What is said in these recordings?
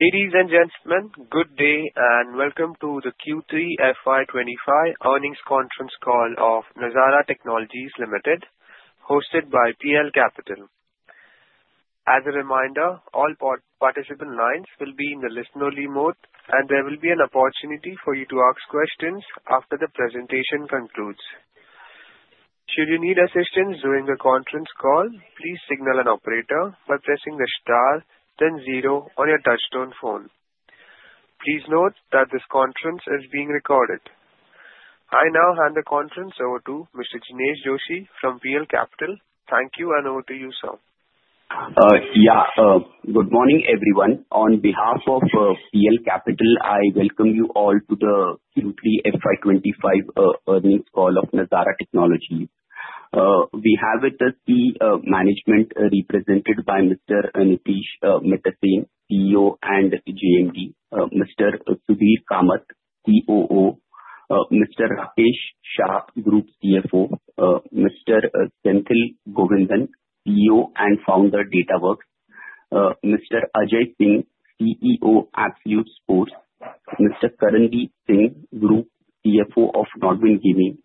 Ladies and gentlemen, good day and welcome to the Q3 FY25 Earnings Conference Call of Nazara Technologies Limited, hosted by PL Capital. As a reminder, all participant lines will be in listen-only mode, and there will be an opportunity for you to ask questions after the presentation concludes. Should you need assistance during the conference call, please signal an operator by pressing the star then zero on your touch-tone phone. Please note that this conference is being recorded. I now hand the conference over to Mr. Jinesh Joshi from PL Capital. Thank you and over to you, sir. Yeah, good morning, everyone. On behalf of PL Capital, I welcome you all to the Q3 FY25 earnings call of Nazara Technologies. We have with us the management represented by Mr. Nitish Mittersain, CEO and JMD, Mr. Sudhir Kamath, COO, Mr. Rakesh Shah, Group CFO, Mr. Senthil Govindan, CEO and founder of Datawrkz, Mr. Ajay Singh, CEO of Absolute Sports, Mr. Kanwardeep Singh, Group CFO of NODWIN Gaming,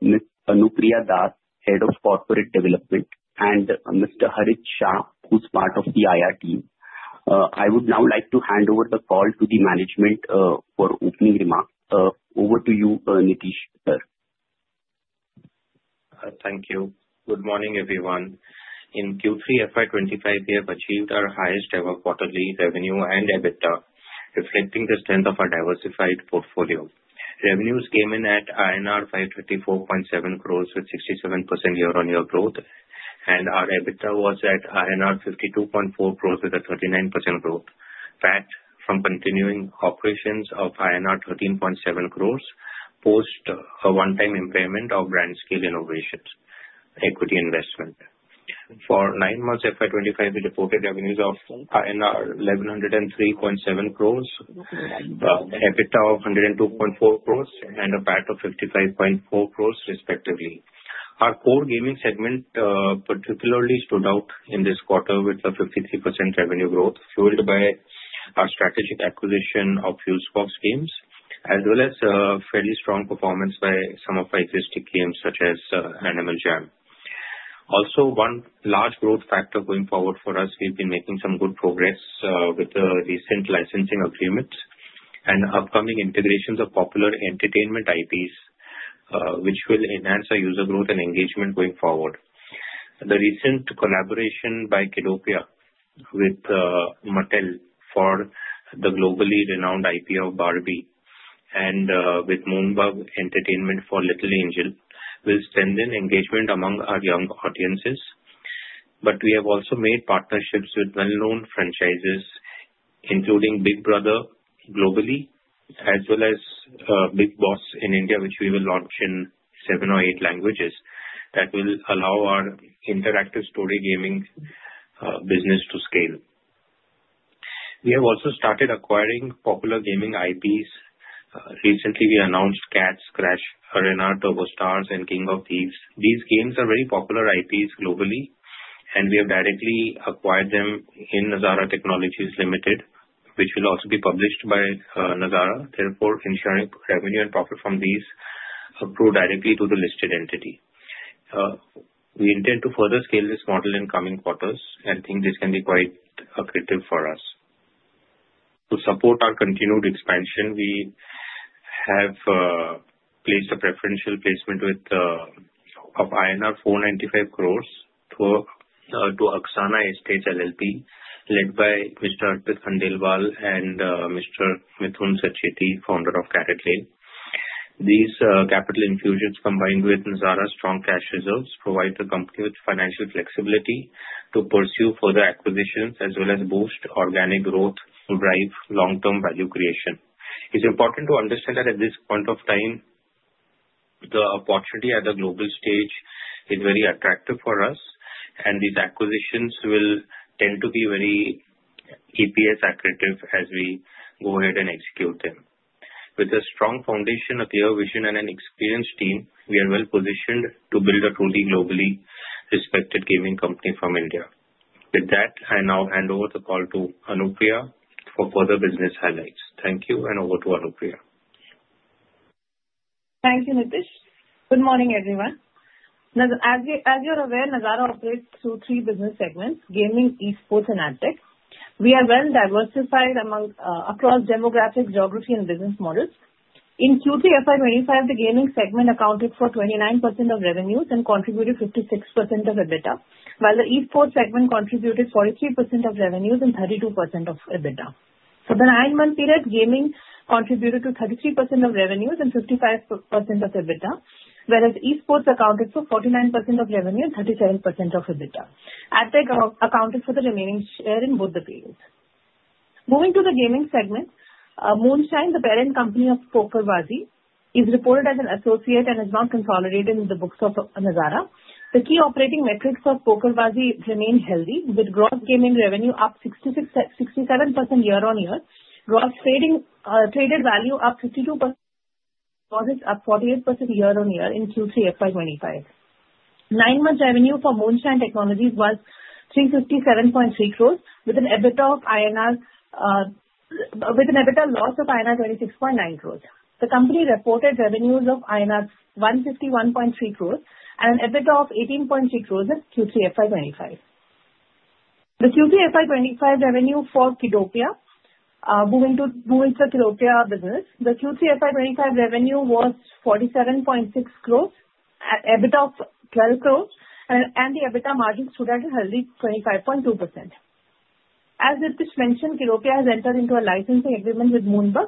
Ms. Anupriya Das, Head of Corporate Development, and Mr. Harish Shah, who's part of the IR team. I would now like to hand over the call to the management for opening remarks. Over to you, Nitish, sir. Thank you. Good morning, everyone. In Q3 FY25, we have achieved our highest-ever quarterly revenue and EBITDA, reflecting the strength of our diversified portfolio. Revenues came in at INR 534.7 crores with 67% year-on-year growth, and our EBITDA was at INR 52.4 crores with a 39% growth, backed from continuing operations of INR 13.7 crores post a one-time impairment of BrandScale Innovations equity investment. For nine months FY25, we reported revenues of 1,103.7 crores, EBITDA of 102.4 crores, and a PAT of 55.4 crores, respectively. Our core gaming segment particularly stood out in this quarter with a 53% revenue growth, fueled by our strategic acquisition of Fusebox Games, as well as fairly strong performance by some of our existing games, such as Animal Jam. Also, one large growth factor going forward for us, we've been making some good progress with the recent licensing agreements and upcoming integrations of popular entertainment IPs, which will enhance our user growth and engagement going forward. The recent collaboration by Kiddopia with Mattel for the globally renowned IP of Barbie and with Moonbug Entertainment for Little Angel will strengthen engagement among our young audiences. But we have also made partnerships with well-known franchises, including Big Brother globally, as well as Bigg Boss in India, which we will launch in seven or eight languages that will allow our interactive story gaming business to scale. We have also started acquiring popular gaming IPs. Recently, we announced CATS: Crash Arena Turbo Stars, and King of Thieves. These games are very popular IPs globally, and we have directly acquired them in Nazara Technologies Limited, which will also be published by Nazara. Therefore, ensuring revenue and profit from these go directly to the listed entity. We intend to further scale this model in coming quarters and think this can be quite lucrative for us. To support our continued expansion, we have placed a preferential placement of INR 495 crores to Axana Estates LLP, led by Mr. Arpit Khandelwal and Mr. Mithun Sacheti, founder of CaratLane. These capital infusions, combined with Nazara's strong cash reserves, provide the company with financial flexibility to pursue further acquisitions as well as boost organic growth, drive long-term value creation. It's important to understand that at this point of time, the opportunity at the global stage is very attractive for us, and these acquisitions will tend to be very EPS accretive as we go ahead and execute them. With a strong foundation, a clear vision, and an experienced team, we are well-positioned to build a truly globally respected gaming company from India. With that, I now hand over the call to Anupriya for further business highlights. Thank you, and over to Anupriya. Thank you, Nitish. Good morning, everyone. As you're aware, Nazara operates through three business segments: gaming, Esports, and AdTech. We are well-diversified across demographics, geography, and business models. In Q3 FY25, the gaming segment accounted for 29% of revenues and contributed 56% of EBITDA, while the Esports segment contributed 43% of revenues and 32% of EBITDA. For the nine-month period, gaming contributed to 33% of revenues and 55% of EBITDA, whereas Esports accounted for 49% of revenue and 37% of EBITDA. AdTech accounted for the remaining share in both the periods. Moving to the gaming segment, Moonshine, the parent company of PokerBaazi, is reported as an associate and is not consolidated in the books of Nazara. The key operating metrics of PokerBaazi remain healthy, with gross gaming revenue up 67% year-on-year, gross traded value up 52%, and losses up 48% year-on-year in Q3 FY25. Nine-month revenue for Moonshine Technologies was 357.3 crores, with an EBITDA loss of INR 26.9 crores. The company reported revenues of INR 151.3 crores and an EBITDA of 18.6 crores in Q3 FY25. The Q3 FY25 revenue for Kiddopia, moving to the Kiddopia business, the Q3 FY25 revenue was 47.6 crores, EBITDA of 12 crores, and the EBITDA margin stood at a healthy 25.2%. As Nitish mentioned, Kiddopia has entered into a licensing agreement with Moonbug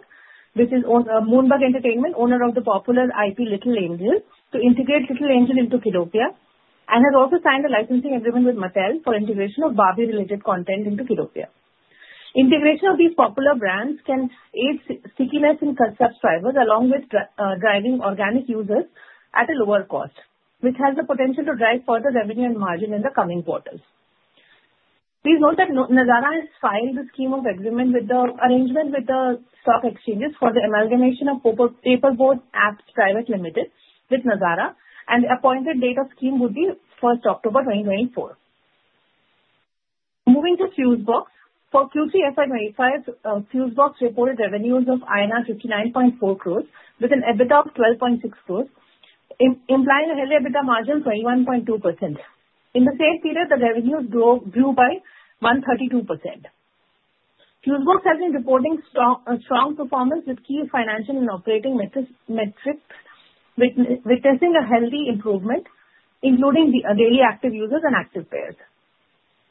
Entertainment, owner of the popular IP Little Angel, to integrate Little Angel into Kiddopia, and has also signed a licensing agreement with Mattel for integration of Barbie-related content into Kiddopia. Integration of these popular brands can aid stickiness in concept drivers along with driving organic users at a lower cost, which has the potential to drive further revenue and margin in the coming quarters. Please note that Nazara has filed the scheme of agreement with the arrangement with the stock exchanges for the amalgamation of Paper Boat Apps Private Limited with Nazara, and the appointed date of scheme would be 1st October 2024. Moving to Fusebox, for Q3 FY25, Fusebox reported revenues of INR 59.4 crores with an EBITDA of 12.6 crores, implying a healthy EBITDA margin of 21.2%. In the same period, the revenues grew by 132%. Fusebox has been reporting strong performance with key financial and operating metrics, witnessing a healthy improvement, including daily active users and active players.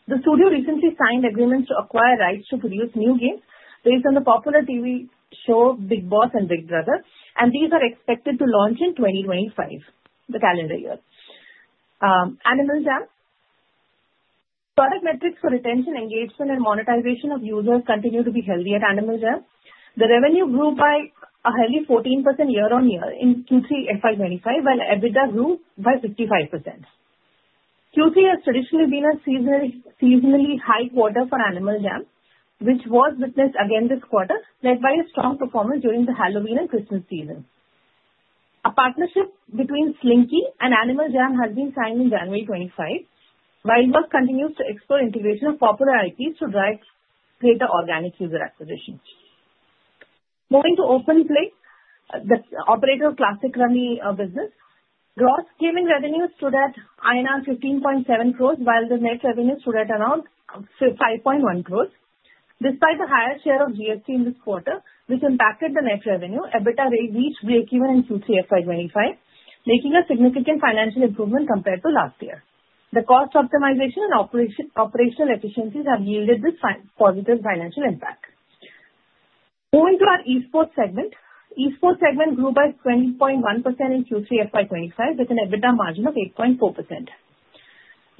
The studio recently signed agreements to acquire rights to produce new games based on the popular TV show Big Boss and Big Brother, and these are expected to launch in 2025, the calendar year. Animal Jam. Product metrics for retention, engagement, and monetization of users continue to be healthy at Animal Jam. The revenue grew by a healthy 14% year-on-year in Q3 FY25, while EBITDA grew by 55%. Q3 has traditionally been a seasonally high quarter for Animal Jam, which was witnessed again this quarter, led by a strong performance during the Halloween and Christmas season. A partnership between Slinky and Animal Jam has been signed in January 2025, while Nazara continues to explore integration of popular IPs to drive greater organic user acquisition. Moving to OpenPlay, the operator of Classic Rummy business, gross gaming revenues stood at INR 15.7 crores, while the net revenues stood at around 5.1 crores. Despite the higher share of GST in this quarter, which impacted the net revenue, EBITDA reached breakeven in Q3 FY25, making a significant financial improvement compared to last year. The cost optimization and operational efficiencies have yielded this positive financial impact. Moving to our Esports segment, Esports segment grew by 20.1% in Q3 FY25 with an EBITDA margin of 8.4%.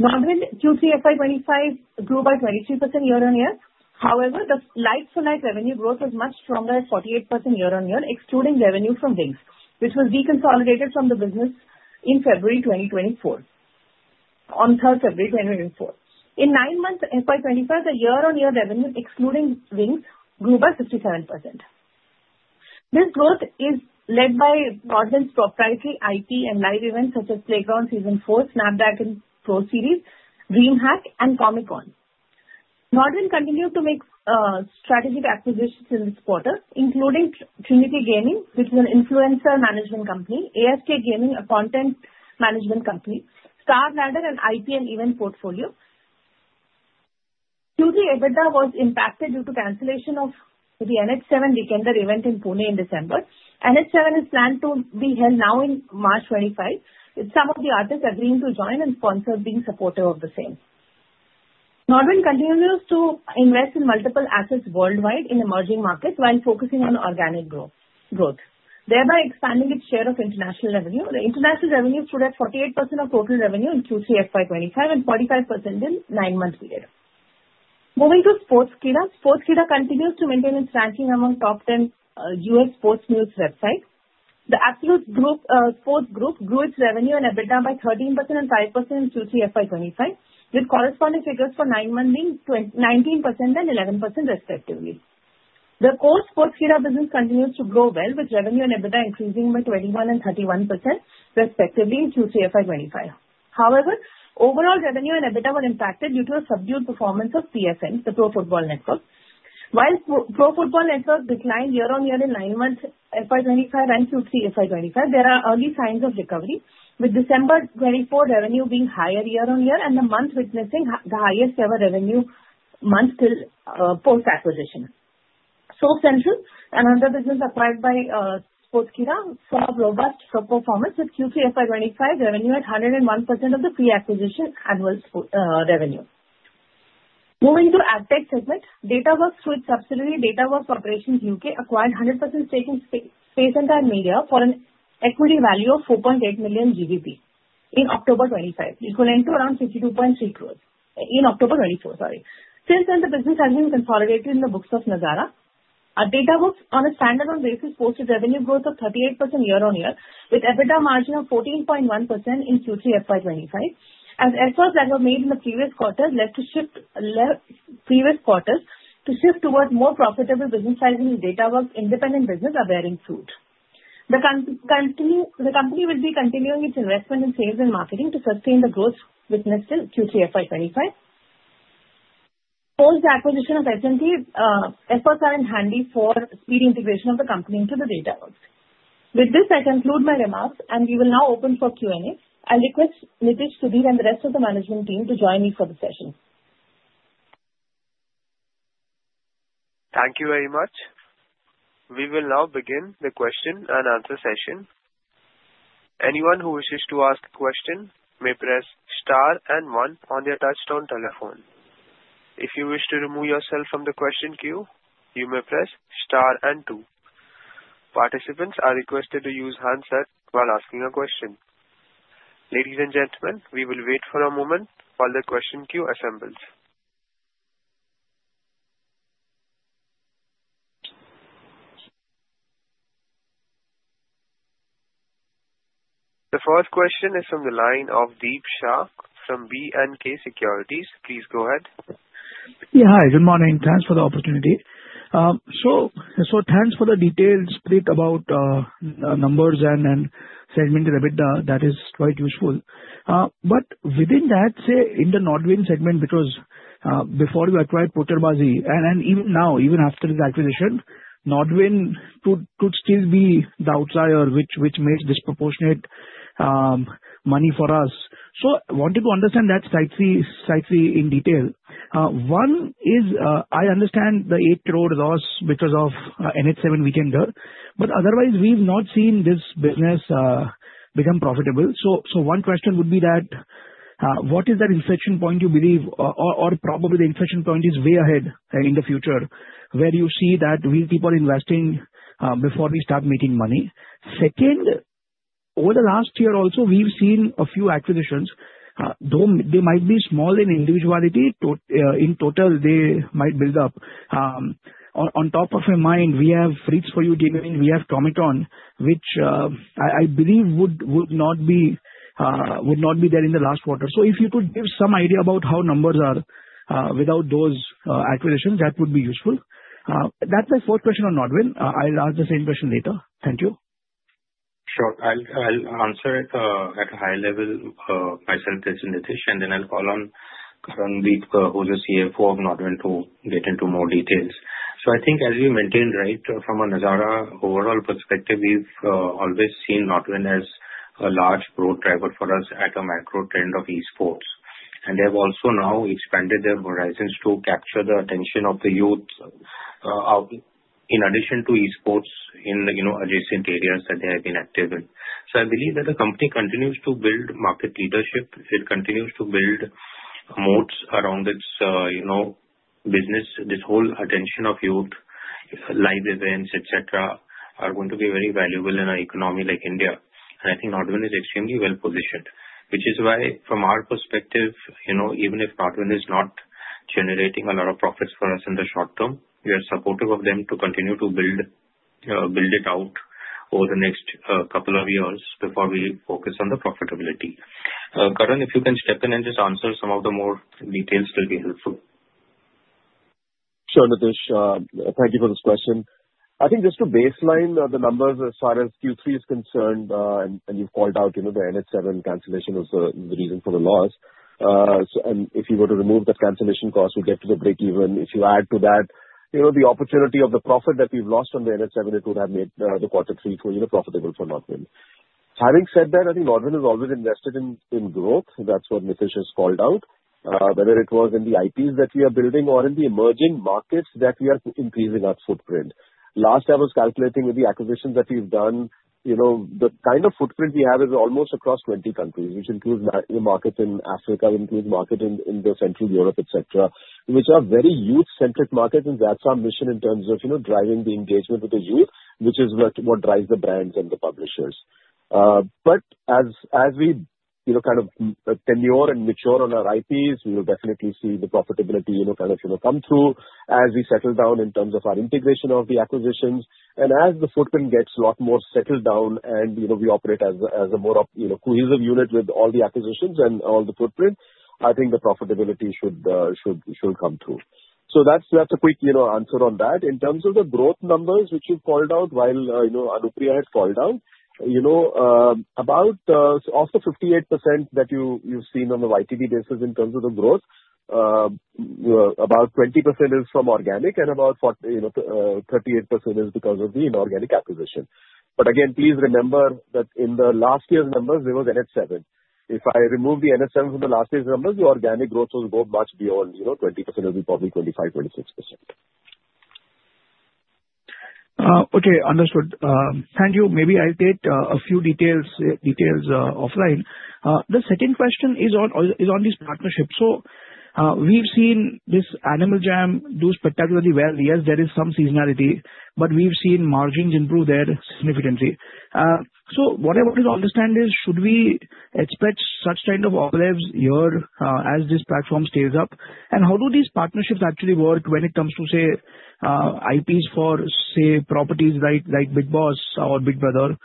NODWIN Gaming Q3 FY25 grew by 23% year-on-year. However, the like-for-like revenue growth was much stronger at 48% year-on-year, excluding revenue from Wings Lifestyle, which was deconsolidated from the business in February 2024, on 3rd February 2024. In nine months FY25, the year-on-year revenue, excluding Wings Lifestyle, grew by 57%. This growth is led by NODWIN Gaming's proprietary IP and live events such as Playground Season 4, Snapdragon Pro Series, DreamHack, and Comic Con. NODWIN Gaming continued to make strategic acquisitions in this quarter, including Trinity Gaming, which is an influencer management company, AFK Gaming, a content management company, StarLadder and IP and event portfolio. Q3 EBITDA was impacted due to cancellation of the NH7 Weekender event in Pune in December. NH7 is planned to be held now in March 2025, with some of the artists agreeing to join and sponsors being supportive of the same. NODWIN Gaming continues to invest in multiple assets worldwide in emerging markets while focusing on organic growth, thereby expanding its share of international revenue. The international revenue stood at 48% of total revenue in Q3 FY25 and 45% in the nine-month period. Moving to Sportskeeda, Sportskeeda continues to maintain its ranking among top 10 U.S. sports news websites. The Absolute Sports Group grew its revenue and EBITDA by 13% and 5% in Q3 FY25, with corresponding figures for nine months being 19% and 11%, respectively. The core Sportskeeda business continues to grow well, with revenue and EBITDA increasing by 21% and 31%, respectively, in Q3 FY25. However, overall revenue and EBITDA were impacted due to a subdued performance of PFN, the Pro Football Network. While Pro Football Network declined year-on-year in nine months FY25 and Q3 FY25, there are early signs of recovery, with December 2024 revenue being higher year-on-year and the month witnessing the highest-ever revenue month post-acquisition. Soap Central, another business acquired by Sportskeeda, saw robust performance with Q3 FY25 revenue at 101% of the pre-acquisition annual revenue. Moving to AdTech segment, Datawrkz, through its subsidiary Datawrkz Operations UK, acquired 100% stake in Space & Time for an equity value of 4.8 million in October 2025, equivalent to around 52.3 crores in October 2024. Since then, the business has been consolidated in the books of Nazara. Datawrkz, on a standalone basis, posted revenue growth of 38% year-on-year, with EBITDA margin of 14.1% in Q3 FY25, as efforts that were made in the previous quarters led to shift towards more profitable business lines in Datawrkz's independent business, ad revenue. The company will be continuing its investment in sales and marketing to sustain the growth witnessed in Q3 FY25. Post-acquisition of Space & Time, efforts are underway for speedy integration of the company into the Datawrkz. With this, I conclude my remarks, and we will now open for Q&A. I'll request Nitish, Sudhir, and the rest of the management team to join me for the session. Thank you very much. We will now begin the question and answer session. Anyone who wishes to ask a question may press Star and one on their touch-tone telephone. If you wish to remove yourself from the question queue, you may press Star and two. Participants are requested to use handsets while asking a question. Ladies and gentlemen, we will wait for a moment while the question queue assembles. The first question is from the line of Deep Shah from B&K Securities. Please go ahead. Yeah, hi. Good morning. Thanks for the opportunity. So thanks for the details about numbers and segmented EBITDA. That is quite useful. But within that, say, in the NODWIN segment, because before we acquired PokerBaazi, and even now, even after the acquisition, NODWINcould still be the outlier which made disproportionate money for us. So I wanted to understand that side in detail. One is, I understand the eight-year-old loss because of NH7 Weekender, but otherwise, we've not seen this business become profitable. So one question would be that what is that inflection point you believe, or probably the inflection point is way ahead in the future, where you see that we people investing before we start making money? Second, over the last year also, we've seen a few acquisitions. Though they might be small in individuality, in total, they might build up. On top of my mind, we have Freaks 4U Gaming. We have Comic Con, which I believe would not be there in the last quarter. So if you could give some idea about how numbers are without those acquisitions, that would be useful. That's my first question on NODWIN Gaming. I'll ask the same question later. Thank you. Sure. I'll answer it at a high level myself, Nitish, and then I'll call on Kanwardeep, who's the CFO of NODWIN, to get into more details. So I think, as you maintained, right, from a Nazara overall perspective, we've always seen NODWIN as a large growth driver for us at a macro trend of Esports. And they have also now expanded their horizons to capture the attention of the youth in addition to Esports in adjacent areas that they have been active in. So I believe that the company continues to build market leadership. It continues to build moats around its business. This whole attention of youth, live events, etc., are going to be very valuable in an economy like India. I think NODWIN is extremely well-positioned, which is why, from our perspective, even if NODWIN is not generating a lot of profits for us in the short term, we are supportive of them to continue to build it out over the next couple of years before we focus on the profitability. Kanwardeep, if you can step in and just answer some of the more details, it will be helpful. Sure, Nitish. Thank you for this question. I think just to baseline the numbers as far as Q3 is concerned, and you've called out the NH7 cancellation was the reason for the loss, and if you were to remove that cancellation cost, we'd get to the breakeven. If you add to that the opportunity of the profit that we've lost on the NH7, it would have made the quarter three profitable for NODWIN. Having said that, I think NODWIN has always invested in growth. That's what Nitish has called out, whether it was in the IPs that we are building or in the emerging markets that we are increasing our footprint. Last, I was calculating with the acquisitions that we've done, the kind of footprint we have is almost across 20 countries, which includes the markets in Africa, includes markets in Central Europe, etc., which are very youth-centric markets. That's our mission in terms of driving the engagement with the youth, which is what drives the brands and the publishers. But as we kind of tenure and mature on our IPs, we will definitely see the profitability kind of come through as we settle down in terms of our integration of the acquisitions. And as the footprint gets a lot more settled down and we operate as a more cohesive unit with all the acquisitions and all the footprint, I think the profitability should come through. So that's a quick answer on that. In terms of the growth numbers, which you've called out while Anupriya had called out, about the 58% that you've seen on the YoY basis in terms of the growth, about 20% is from organic, and about 38% is because of the inorganic acquisition. But again, please remember that in the last year's numbers, there was NH7. If I remove the NH7 from the last year's numbers, the organic growth will go much beyond 20%, probably 25%, 26%. Okay. Understood. Thank you. Maybe I'll get a few details offline. The second question is on these partnerships. So we've seen this Animal Jam do spectacularly well. Yes, there is some seasonality, but we've seen margins improve there significantly. So what I want to understand is, should we expect such kind of uplift here as this platform stays up? And how do these partnerships actually work when it comes to, say, IPs for, say, properties like Big Boss or Big Brother?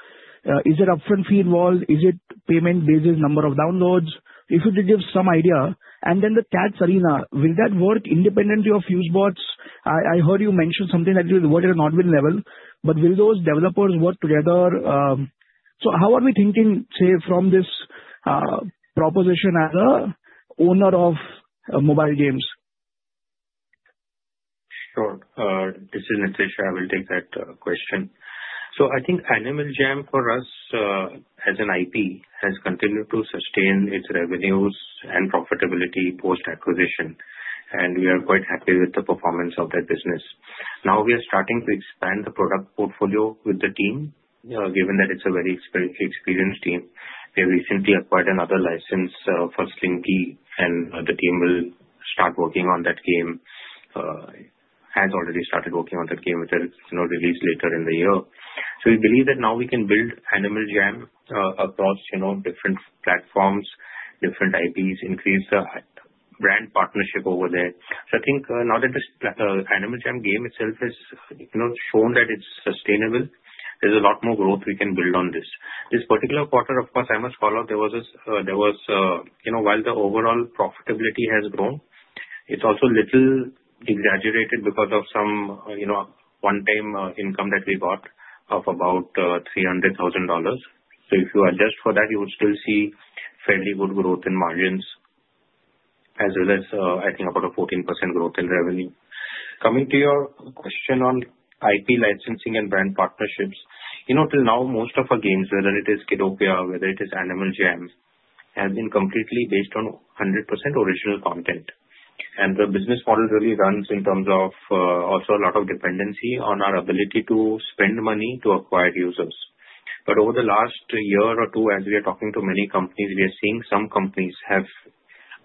Is there upfront fee involved? Is it payment basis, number of downloads? If you could give some idea. And then the CATS arena, will that work independently of Fusebox? I heard you mention something like this at the NODWIN level, but will those developers work together? So how are we thinking, say, from this proposition as an owner of mobile games? Sure. This is Nitish. I will take that question. So I think Animal Jam for us, as an IP, has continued to sustain its revenues and profitability post-acquisition, and we are quite happy with the performance of that business. Now we are starting to expand the product portfolio with the team, given that it's a very experienced team. We have recently acquired another license for Slinky, and the team will start working on that game, has already started working on that game with a release later in the year. So we believe that now we can build Animal Jam across different platforms, different IPs, increase the brand partnership over there. So I think now that this Animal Jam game itself has shown that it's sustainable, there's a lot more growth we can build on this. This particular quarter, of course, I must call out, there was a while the overall profitability has grown, it's also a little degraded because of some one-time income that we got of about $300,000. So if you adjust for that, you would still see fairly good growth in margins, as well as, I think, about a 14% growth in revenue. Coming to your question on IP licensing and brand partnerships, till now, most of our games, whether it is Kiddopia or whether it is Animal Jam, have been completely based on 100% original content, and the business model really runs in terms of also a lot of dependency on our ability to spend money to acquire users, but over the last year or two, as we are talking to many companies, we are seeing some companies have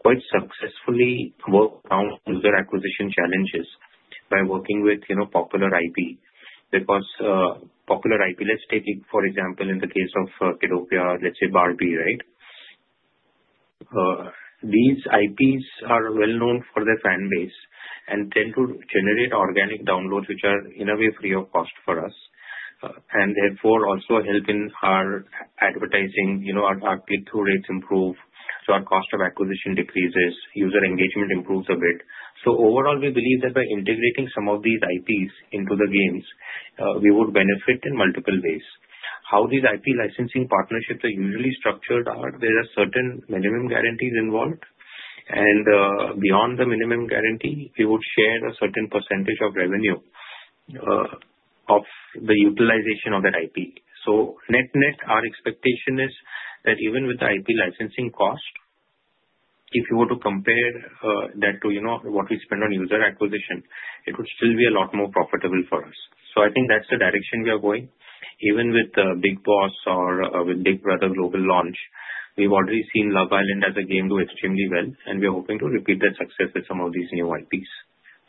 quite successfully worked around their acquisition challenges by working with popular IP. Because popular IP, let's take, for example, in the case of Kiddopia or, let's say, Barbie, right? These IPs are well-known for their fan base and tend to generate organic downloads, which are in a way free of cost for us, and therefore also help in our advertising. Our click-through rates improve, so our cost of acquisition decreases, user engagement improves a bit, so overall, we believe that by integrating some of these IPs into the games, we would benefit in multiple ways. How these IP licensing partnerships are usually structured are, there are certain minimum guarantees involved, and beyond the minimum guarantee, we would share a certain percentage of revenue of the utilization of that IP. So net-net our expectation is that even with the IP licensing cost, if you were to compare that to what we spend on user acquisition, it would still be a lot more profitable for us. So I think that's the direction we are going. Even with Big Boss or with Big Brother Global Launch, we've already seen Love Island as a game do extremely well, and we are hoping to repeat that success with some of these new IPs.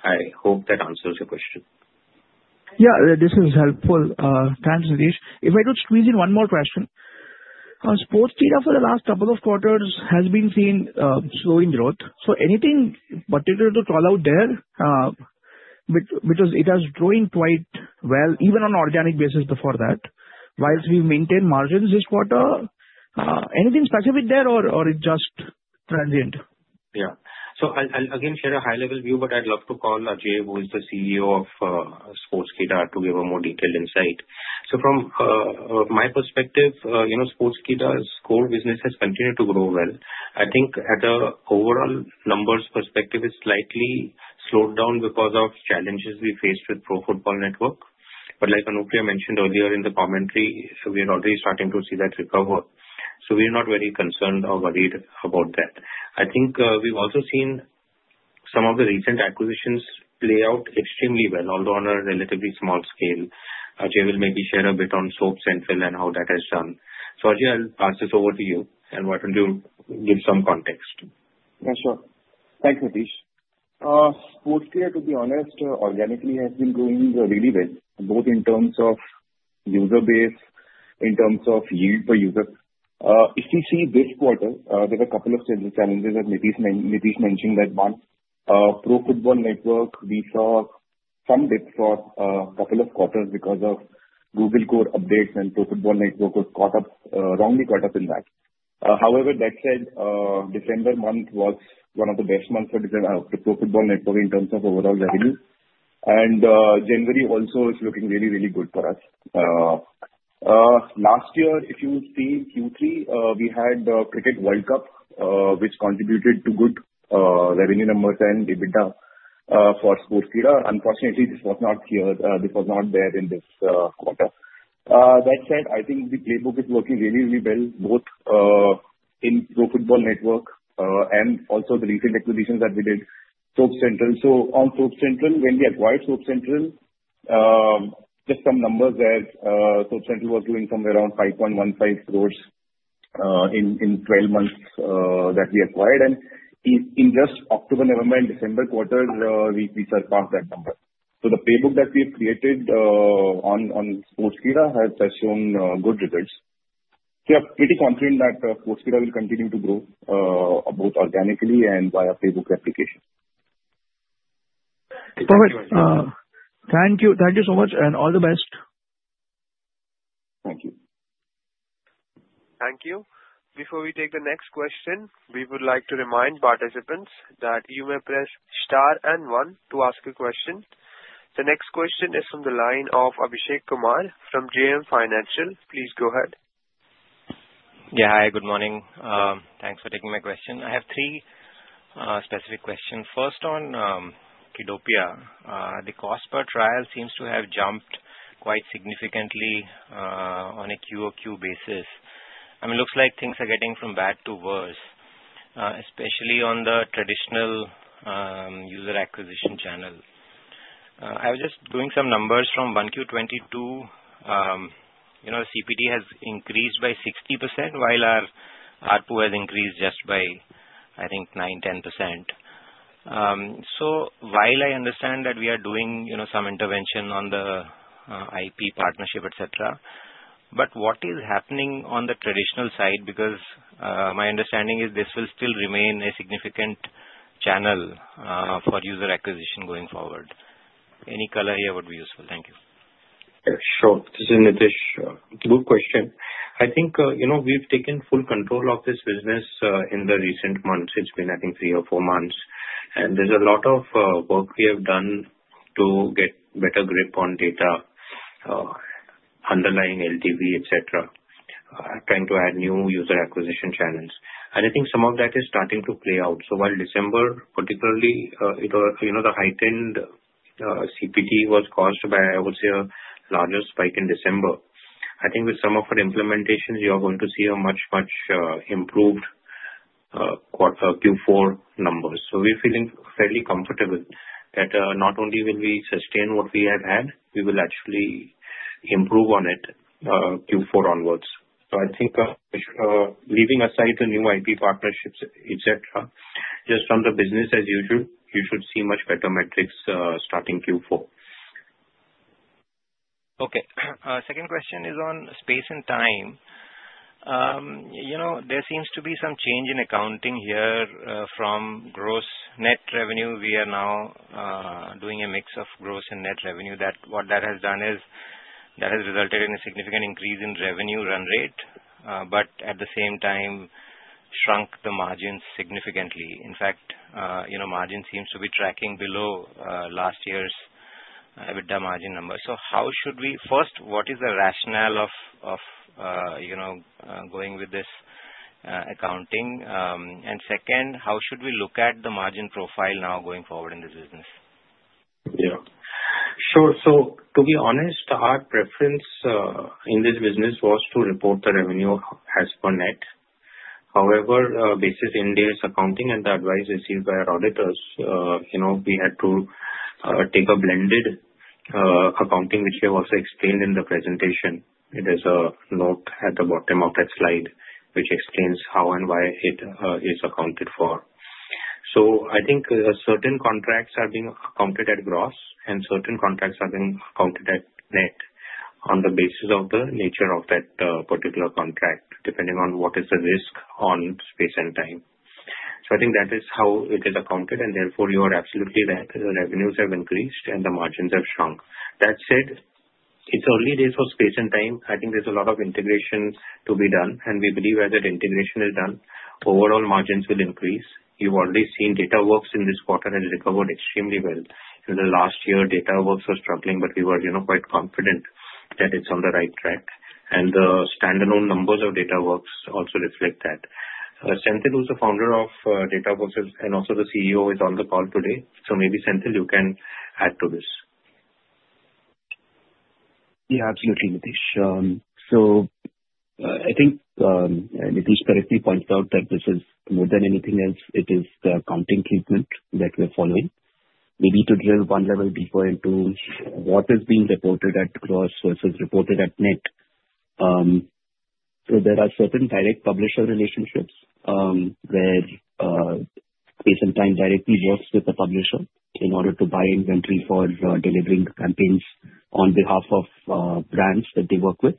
I hope that answers your question. Yeah, this is helpful. Thanks, Nitish. If I could squeeze in one more question. Sportskeeda for the last couple of quarters has been seen slowing growth, so anything particular to call out there? Because it has grown quite well, even on organic basis before that, whilst we've maintained margins this quarter. Anything specific there, or it's just transient? Yeah. So I'll again share a high-level view, but I'd love to call Ajay, who is the CEO of Sportskeeda, to give a more detailed insight. So from my perspective, Sportskeeda's core business has continued to grow well. I think at the overall numbers perspective, it's slightly slowed down because of challenges we faced with Pro Football Network. But like Anupriya mentioned earlier in the commentary, we are already starting to see that recover. So we are not very concerned or worried about that. I think we've also seen some of the recent acquisitions play out extremely well, although on a relatively small scale. Jay will maybe share a bit on Soap Central and how that has done. So Jay, I'll pass this over to you, and why don't you give some context? Yeah, sure. Thanks, Nitish. Sportskeeda, to be honest, organically has been growing really well, both in terms of user base, in terms of yield per user. If we see this quarter, there were a couple of challenges that Nitish mentioned, that one. Pro Football Network, we saw some dips for a couple of quarters because of Google core updates, and Pro Football Network was wrongly caught up in that. However, that said, December month was one of the best months for Pro Football Network in terms of overall revenue, and January also is looking really, really good for us. Last year, if you see Q3, we had the Cricket World Cup, which contributed to good revenue numbers and EBITDA for Sportskeeda. Unfortunately, this was not here. This was not there in this quarter. That said, I think the playbook is working really, really well, both in Pro Football Network and also the recent acquisitions that we did, Soap Central. So on Soap Central, when we acquired Soap Central, just some numbers there, Soap Central was doing somewhere around 5.15 crores in 12 months that we acquired. And in just October, November, and December quarters, we surpassed that number. So the playbook that we have created on Sportskeeda has shown good results. So I'm pretty confident that Sportskeeda will continue to grow both organically and via playbook replication. Perfect. Thank you. Thank you so much, and all the best. Thank you. Thank you. Before we take the next question, we would like to remind participants that you may press star and one to ask a question. The next question is from the line of Abhishek Kumar from JM Financial. Please go ahead. Yeah. Hi, good morning. Thanks for taking my question. I have three specific questions. First, on Kiddopia, the cost per trial seems to have jumped quite significantly on a QOQ basis. I mean, it looks like things are getting from bad to worse, especially on the traditional user acquisition channel. I was just doing some numbers from 1Q22. CPT has increased by 60%, while our RPU has increased just by, I think, 9-10%. So while I understand that we are doing some intervention on the IP partnership, etc., but what is happening on the traditional side? Because my understanding is this will still remain a significant channel for user acquisition going forward. Any color here would be useful. Thank you. Sure. This is Nitish. Good question. I think we've taken full control of this business in the recent months. It's been, I think, three or four months. And there's a lot of work we have done to get better grip on data, underlying LTV, etc., trying to add new user acquisition channels. And I think some of that is starting to play out. So while December, particularly, the heightened CPD was caused by, I would say, a larger spike in December, I think with some of our implementations, you are going to see a much, much improved Q4 numbers. So we're feeling fairly comfortable that not only will we sustain what we have had, we will actually improve on it Q4 onwards. So I think leaving aside the new IP partnerships, etc., just from the business as usual, you should see much better metrics starting Q4. Okay. Second question is on Space & Time. There seems to be some change in accounting here from gross to net revenue. We are now doing a mix of gross and net revenue. What that has done is that has resulted in a significant increase in revenue run rate, but at the same time, shrunk the margins significantly. In fact, margin seems to be tracking below last year's EBITDA margin numbers. So how should we first, what is the rationale of going with this accounting? And second, how should we look at the margin profile now going forward in this business? Yeah. Sure. So to be honest, our preference in this business was to report the revenue as per net. However, based on in-day accounting and the advice received by our auditors, we had to take a blended accounting, which we have also explained in the presentation. There's a note at the bottom of that slide, which explains how and why it is accounted for. So I think certain contracts are being accounted at gross, and certain contracts are being accounted at net on the basis of the nature of that particular contract, depending on what is the risk on Space & Time. So I think that is how it is accounted, and therefore you are absolutely right. The revenues have increased, and the margins have shrunk. That said, it's early days for Space & Time. I think there's a lot of integration to be done, and we believe as that integration is done, overall margins will increase. You've already seen Datawrkz in this quarter has recovered extremely well. In the last year, Datawrkz was struggling, but we were quite confident that it's on the right track. The standalone numbers of Datawrkz also reflect that. Senthil, who's the founder of Datawrkz and also the CEO, is on the call today. Maybe, Senthil, you can add to this. Yeah, absolutely, Nitish. So I think Nitish correctly points out that this is, more than anything else, it is the accounting treatment that we're following. Maybe to drill one level deeper into what is being reported at gross versus reported at net. So there are certain direct publisher relationships where Space & Time directly works with the publisher in order to buy inventory for delivering campaigns on behalf of brands that they work with.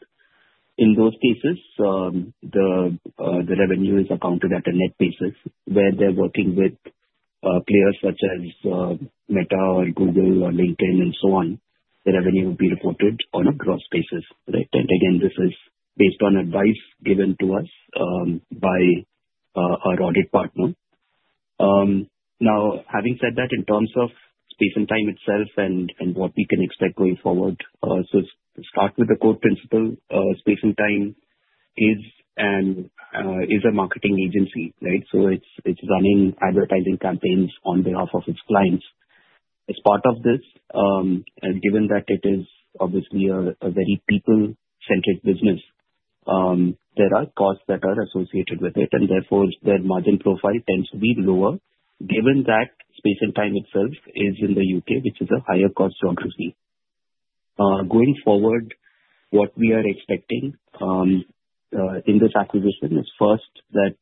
In those cases, the revenue is accounted at a net basis, where they're working with players such as Meta or Google or LinkedIn and so on. The revenue will be reported on a gross basis, right? And again, this is based on advice given to us by our audit partner. Now, having said that, in terms of Space & Time itself and what we can expect going forward, so start with the core principle. Space & Time is a marketing agency, right? So it's running advertising campaigns on behalf of its clients. As part of this, given that it is obviously a very people-centric business, there are costs that are associated with it, and therefore their margin profile tends to be lower, given that Space & Time itself is in the U.K., which is a higher-cost geography. Going forward, what we are expecting in this acquisition is first that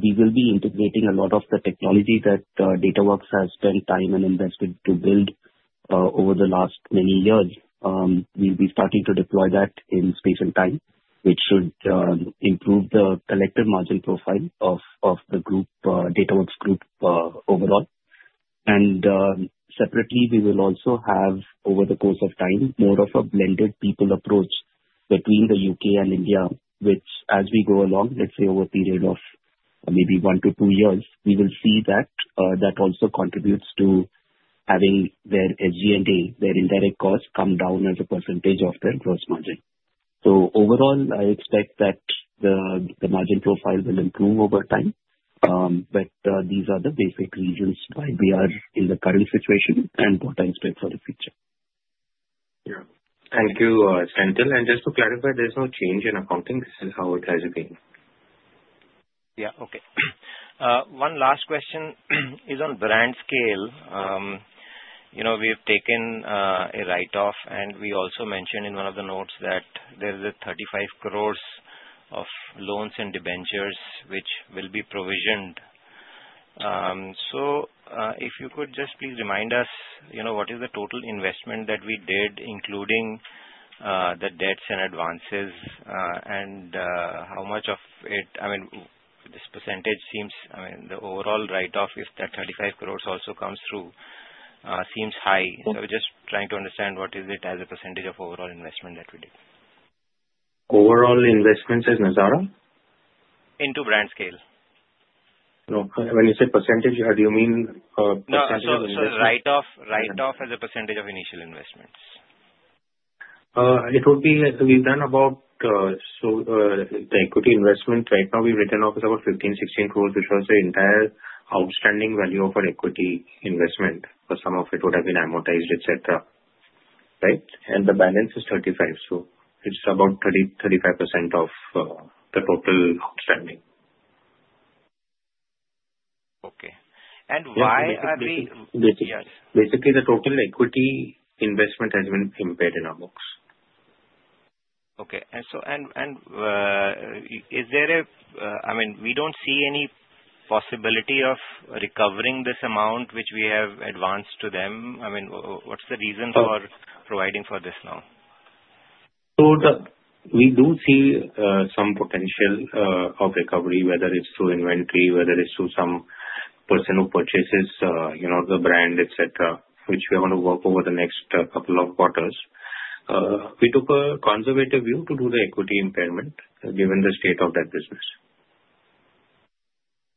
we will be integrating a lot of the technology that Datawrkz has spent time and invested to build over the last many years. We'll be starting to deploy that in Space & Time, which should improve the collective margin profile of the Datawrkz group overall. Separately, we will also have, over the course of time, more of a blended people approach between the UK and India, which, as we go along, let's say over a period of maybe one to two years, we will see that that also contributes to having their SG&A, their indirect costs come down as a percentage of their gross margin. Overall, I expect that the margin profile will improve over time, but these are the basic reasons why we are in the current situation and what I expect for the future. Yeah. Thank you, Senthil. And just to clarify, there's no change in accounting. This is how it has remained. Yeah. Okay. One last question is on BrandScale. We have taken a write-off, and we also mentioned in one of the notes that there are 35 crores of loans and debentures which will be provisioned. So if you could just please remind us, what is the total investment that we did, including the debts and advances, and how much of it? I mean, this percentage seems. I mean, the overall write-off is that 35 crores also comes through. Seems high. So I'm just trying to understand what is it as a percentage of overall investment that we did. Overall investments as Nazara? Into BrandScale. No. When you say percentage, do you mean percentage of initial? No, no. So write-off as a percentage of initial investments. It would be. We've done about the equity investment. Right now, we've written off about 15-16 crores, which was the entire outstanding value of our equity investment, but some of it would have been amortized, etc., right? And the balance is 35. So it's about 35% of the total outstanding. Okay. And why are we? Basically, the total equity investment has been impaired in our books. Okay. And is there a—I mean, we don't see any possibility of recovering this amount, which we have advanced to them. I mean, what's the reason for providing for this now? So we do see some potential of recovery, whether it's through inventory, whether it's through some person who purchases the brand, etc., which we are going to work over the next couple of quarters. We took a conservative view to do the equity impairment, given the state of that business.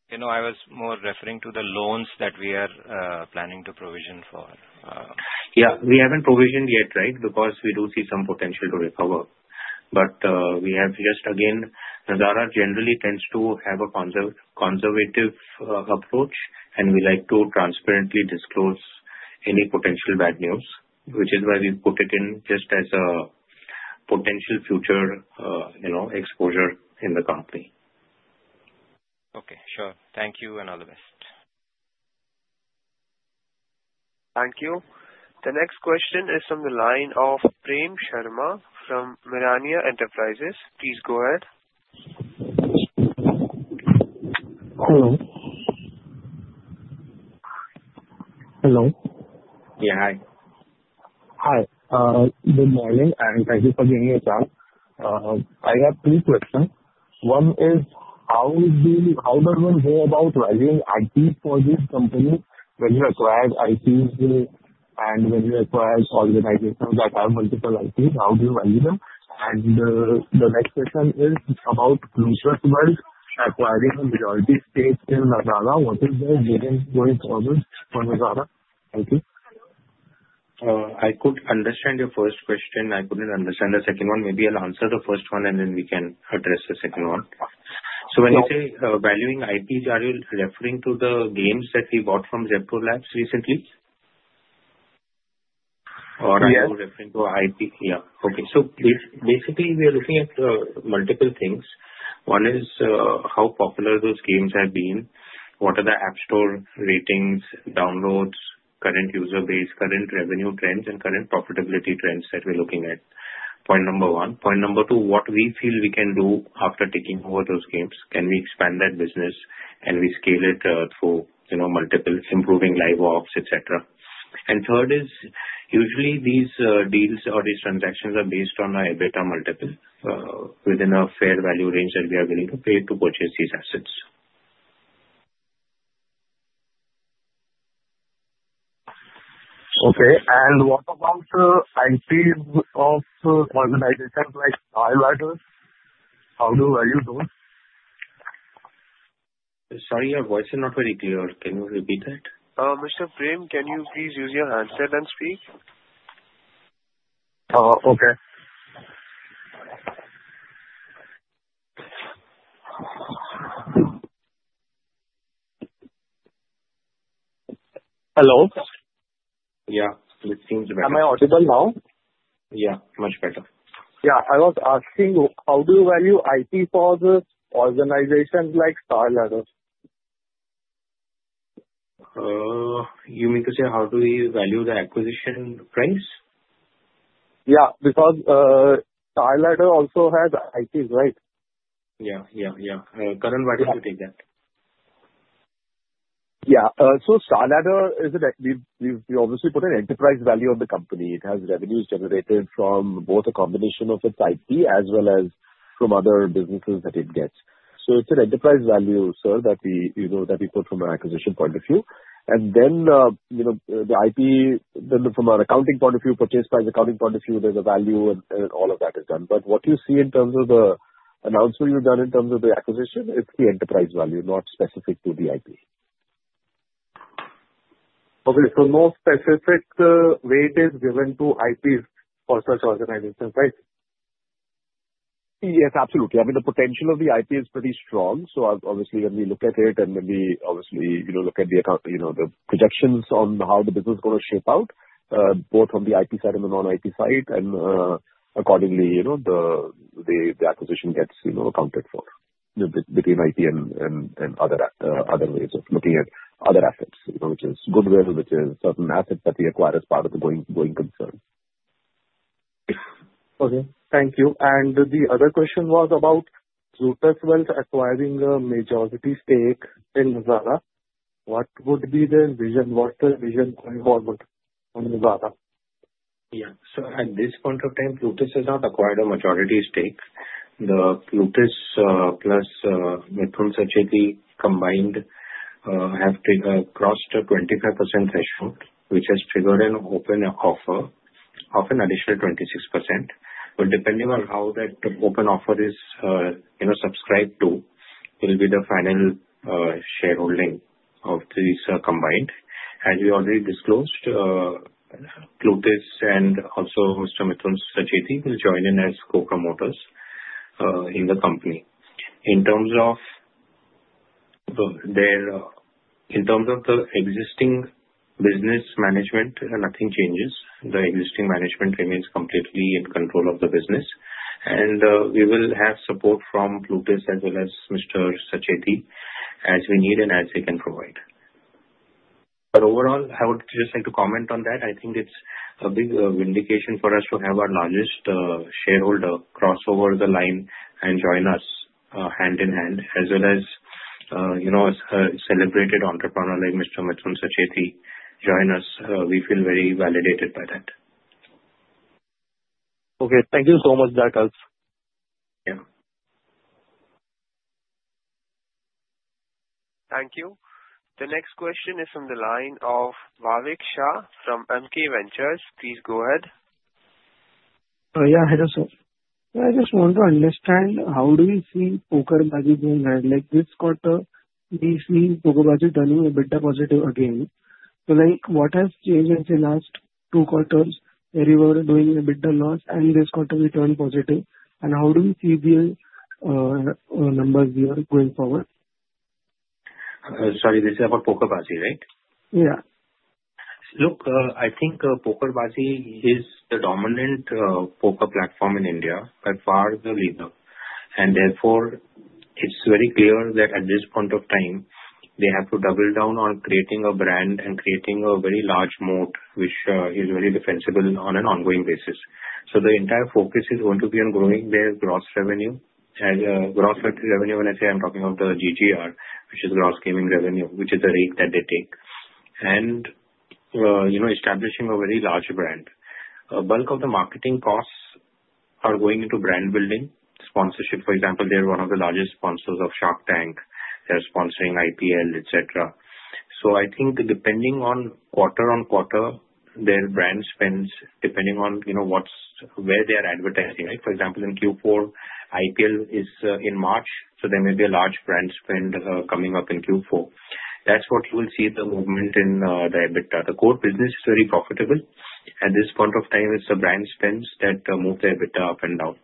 I was more referring to the loans that we are planning to provision for. Yeah. We haven't provisioned yet, right, because we do see some potential to recover. But we have just, again, Nazara generally tends to have a conservative approach, and we like to transparently disclose any potential bad news, which is why we've put it in just as a potential future exposure in the company. Okay. Sure. Thank you, and all the best. Thank you. The next question is from the line of Prem Sharma from Mirania Enterprises. Please go ahead. Hello. Hello. Yeah. Hi. Hi. Good morning, and thank you for giving me a chance. I have two questions. One is, how does one go about valuing IP for this company when you acquire IPs and when you acquire organizations that have multiple IPs? How do you value them? And the next question is about Plutus Wealth Management acquiring a majority stake in Nazara. What is their vision going forward for Nazara? Thank you. I could understand your first question. I couldn't understand the second one. Maybe I'll answer the first one, and then we can address the second one. So when you say valuing IPs, are you referring to the games that we bought from ZeptoLab recently? Or are you referring to IP? Yeah. Yeah. Okay. So basically, we are looking at multiple things. One is how popular those games have been, what are the App Store ratings, downloads, current user base, current revenue trends, and current profitability trends that we're looking at. Point number one. Point number two, what we feel we can do after taking over those games. Can we expand that business, and we scale it for multiple improving LiveOps, etc.? Third is, usually these deals or these transactions are based on a beta multiple within a fair value range that we are willing to pay to purchase these assets. Okay. And what about the IPs of organizations like Nazara? How do you value those? Sorry, your voice is not very clear. Can you repeat that? Mr. Prem, can you please use your handset and speak? Okay. Hello? Yeah. It seems better. Am I audible now? Yeah. Much better. Yeah. I was asking, how do you value IP for organizations like Nazara? You mean to say how do we value the acquisition price? Yeah. Because Nazara also has IPs, right? Yeah. Current value to take that. Yeah. So Nazara, we obviously put an enterprise value on the company. It has revenues generated from both a combination of its IP as well as from other businesses that it gets, so it's an enterprise value, sir, that we put from an acquisition point of view, and then the IP, from an accounting point of view, purchase price accounting point of view, there's a value, and all of that is done, but what you see in terms of the announcement you've done in terms of the acquisition, it's the enterprise value, not specific to the IP. Okay, so no specific weight is given to IPs for such organizations, right? Yes, absolutely. I mean, the potential of the IP is pretty strong. So obviously, when we look at it and when we obviously look at the projections on how the business is going to shape out, both on the IP side and the non-IP side, and accordingly, the acquisition gets accounted for between IP and other ways of looking at other assets, which is Goodwill, which is certain assets that we acquire as part of the going concern. Okay. Thank you. And the other question was about Plutus acquiring a majority stake in Nazara. What would be their vision? What's their vision going forward on Nazara? Yeah. So at this point of time, Plutus has not acquired a majority stake. The Plutus plus Mithun Sacheti combined have crossed a 25% threshold, which has triggered an open offer of an additional 26%. But depending on how that open offer is subscribed to, it will be the final shareholding of these combined. As we already disclosed, Plutus and also Mr. Mithun Sacheti will join in as co-promoters in the company. In terms of the existing business management, nothing changes. The existing management remains completely in control of the business. And we will have support from Plutus as well as Mr. Sacheti as we need and as they can provide. But overall, I would just like to comment on that. I think it's a big vindication for us to have our largest shareholder cross over the line and join us hand in hand, as well as a celebrated entrepreneur like Mr. Mithun Sacheti join us. We feel very validated by that. Okay. Thank you so much. Yeah. Thank you. The next question is from the line of Vavik Shah from MK Ventures. Please go ahead. Yeah. Hello, sir. I just want to understand how do you see PokerBaazi doing? This quarter, we see PokerBaazi turning a bit positive again. So what has changed in the last two quarters where you were doing a bit of loss and this quarter returned positive? And how do you see the numbers here going forward? Sorry, this is about PokerBaazi, right? Yeah. Look, I think PokerBaazi is the dominant poker platform in India, by far the leader, and therefore, it's very clear that at this point of time, they have to double down on creating a brand and creating a very large moat, which is very defensible on an ongoing basis, so the entire focus is going to be on growing their gross revenue. Gross revenue, when I say, I'm talking of the GGR, which is gross gaming revenue, which is the rate that they take, and establishing a very large brand. A bulk of the marketing costs are going into brand building. Sponsorship, for example, they are one of the largest sponsors of Shark Tank. They're sponsoring IPL, etc., so I think depending on quarter on quarter, their brand spends, depending on where they are advertising, right? For example, in Q4, IPL is in March, so there may be a large brand spend coming up in Q4. That's what you will see the movement in the EBITDA. The core business is very profitable. At this point of time, it's the brand spends that move the EBITDA up and down.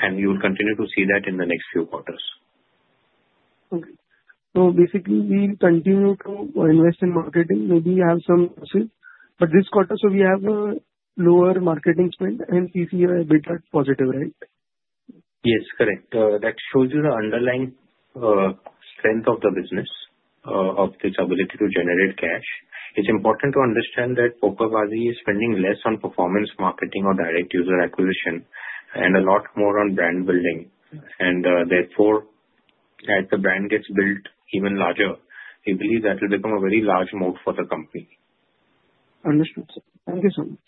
And you will continue to see that in the next few quarters. Okay. So basically, we will continue to invest in marketing. Maybe we have some losses. But this quarter, so we have a lower marketing spend and CCA EBITDA positive, right? Yes. Correct. That shows you the underlying strength of the business, of its ability to generate cash. It's important to understand that PokerBaazi is spending less on performance marketing or direct user acquisition and a lot more on brand building. And therefore, as the brand gets built even larger, we believe that will become a very large moat for the company. Understood. Thank you so much.